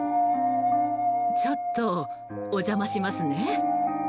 ちょっとお邪魔しますね。